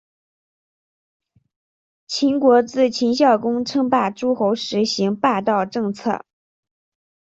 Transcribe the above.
秦国自秦孝公称霸诸候时行霸道政策。